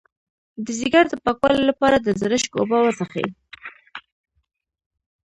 د ځیګر د پاکوالي لپاره د زرشک اوبه وڅښئ